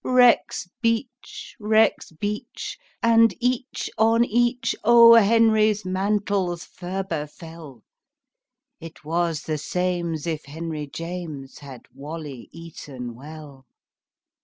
Rexbeach! rexbeach! and each on each O. Henry's mantles ferber fell. It was the same'sif henryjames Had wally eaton well.